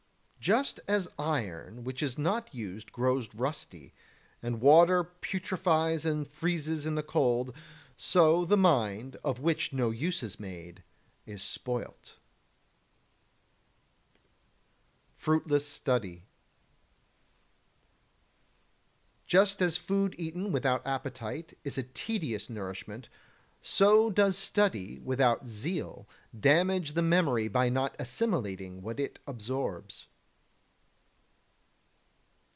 19. Just as iron which is not used grows rusty, and water putrefies and freezes in the cold, so the mind of which no use is made is spoilt. [Sidenote: Fruitless Study] 20. Just as food eaten without appetite is a tedious nourishment, so does study without zeal damage the memory by not assimilating what it absorbs.